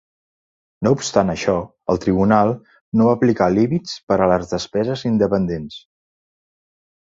No obstant això, el tribunal no va aplicar límits per a les despeses independents.